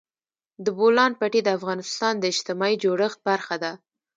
د بولان پټي د افغانستان د اجتماعي جوړښت برخه ده.